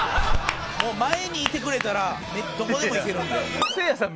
もう前にいてくれたらどこでも行けるんで。